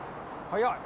早い。